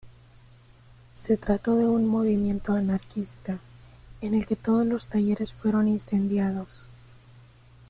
Se trató de un movimiento anarquista, en el que todos los talleres fueron incendiados.